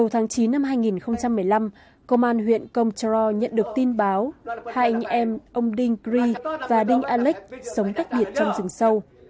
hai anh em ông đinh cri và đinh alex sống cách biệt trong rừng sâu